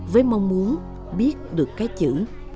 với mong muốn biết được cái chữ